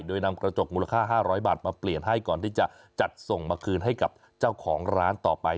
โดยนำกระจกมูลค่า๕๐๐บาทมาเปลี่ยนให้ก่อนที่จะจัดส่งมาคืนให้กับเจ้าของร้านต่อไป